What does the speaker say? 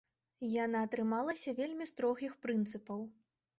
Яна трымалася вельмі строгіх прынцыпаў.